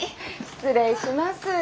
失礼します。